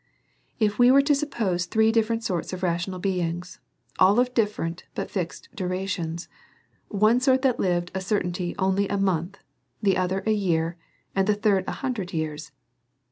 If we were to suppose three different sorts of rati onal beings, all of different but fixed duration, one sort that lived certainly only a month, the other a year, and the third an hundred years.